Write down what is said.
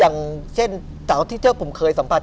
อย่างเช่นถ้าผมเคยสัมผัส